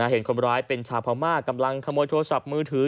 เห็นคนร้ายเป็นชาวพม่ากำลังขโมยโทรศัพท์มือถือ